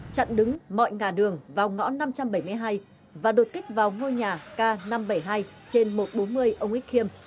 chặn đứng mọi ngà đường vào ngõ năm trăm bảy mươi hai và đột kích vào ngôi nhà k năm trăm bảy mươi hai trên một trăm bốn mươi ông ích khiêm